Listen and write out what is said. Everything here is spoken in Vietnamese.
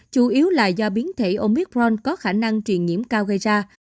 chủ yếu là do biến thể omicron có khả năng truyền nhiễm cao gây ra